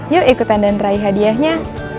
yuk ikutan dan raih hadiahnya